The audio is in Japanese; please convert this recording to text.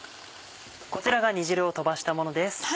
こちらが煮汁を飛ばしたものです。